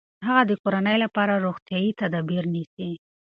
هغه د کورنۍ لپاره روغتیايي تدابیر نیسي.